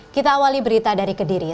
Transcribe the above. kita awali berita dari kediri